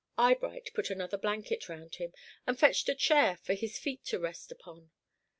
Eyebright put another blanket round him, and fetched a chair for his feet to rest upon.